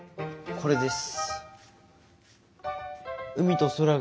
これです。